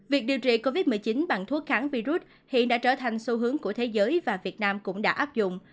việc điều trị covid một mươi chín bằng thuốc kháng virus hiện đã trở thành xu hướng của thế giới và việt nam cũng đã áp dụng